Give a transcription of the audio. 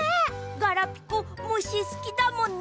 ガラピコむしすきだもんね。